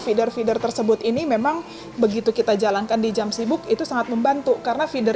feeder feeder tersebut ini memang begitu kita jalankan di jam sibuk itu sangat membantu karena feeder